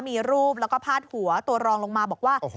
มีรูปแล้วก็พาดหัวตัวรองลงมาบอกว่า